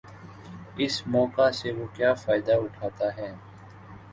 اس موقع سے وہ کیا فائدہ اٹھاتا ہے۔